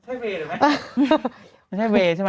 มันใช่เวย์ใช่ไหม